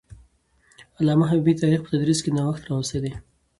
علامه حبيبي د تاریخ په تدریس کې نوښت راوستی دی.